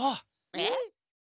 えっ？